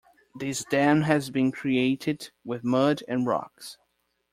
This dam has been created with mud and rocks.